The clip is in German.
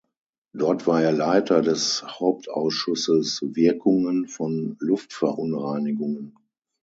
Dort war er Leiter des Hauptausschusses „Wirkungen von Luftverunreinigungen“.